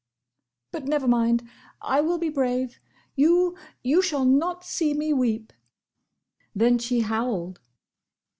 "But never mind! I will be brave! You—you—shall—not—see—me—weep!" Then she howled.